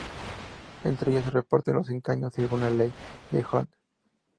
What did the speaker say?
Entre ellos se reparten los escaños, según la ley D'Hondt.